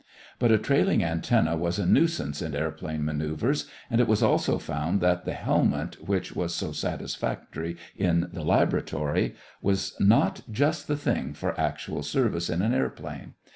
But a trailing antenna was a nuisance in airplane manoeuvers, and it was also found that the helmet which was so satisfactory in the laboratory was not just the thing for actual service in an airplane.